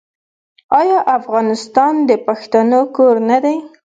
آیا افغانستان د پښتنو کور نه دی؟